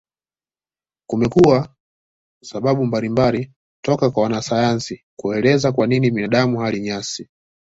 Kumekuwa sababu mbalimbali toka kwa wanasayansi kuelezea kwa nini binadamu hali nyasi.